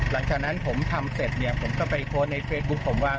หลังจากนั้นผมทำเสร็จเนี่ยผมก็ไปโพสต์ในเฟซบุ๊คผมว่า